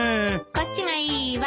こっちがいいわ！